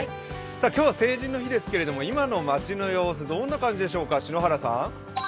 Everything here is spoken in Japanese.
今日は成人の日ですけれども、今の街の様子、どんな感じでしょうか？